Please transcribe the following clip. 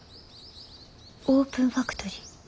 オープンファクトリー？